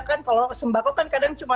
kan kalau sembako kan kadang cuma